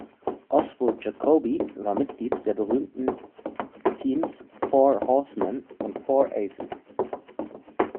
Oswald Jacoby war Mitglied der berühmten Teams "Four Horsemen" und "Four Aces".